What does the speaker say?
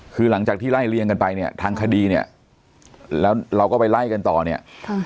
คือหลังจากที่ไล่เลี่ยงกันไปเนี่ยทางคดีเนี่ยแล้วเราก็ไปไล่กันต่อเนี่ยค่ะ